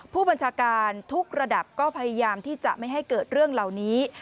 ผู้บัญชาการทุกระดับก็พยายามที่จะไม่ให้เกิดเรื่องเหล่านี้